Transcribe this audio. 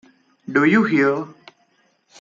Do you hear?